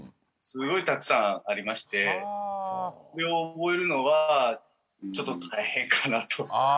すごいたくさんありましてそれを覚えるのはちょっと大変かなと。